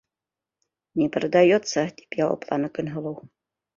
Не продается, - тип яуапланы Көнһылыу.